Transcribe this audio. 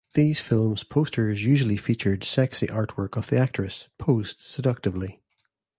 These film's posters usually featured sexy artwork of the actress, posed seductively.